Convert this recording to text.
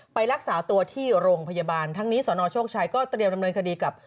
ไปรักษาตัวที่โรงพยาบาลทั้งนี้สนโชคชัยก็เตรียมดำเนินคดีกับ